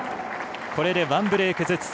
これで１ブレークずつ。